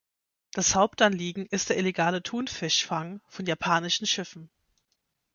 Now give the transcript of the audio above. Das Hauptanliegen ist der illegale Thunfischfang von japanischen Schiffen.